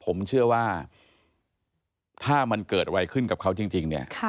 ผมเชื่อว่าถ้ามันเกิดอะไรขึ้นกับเขาจริงเนี่ย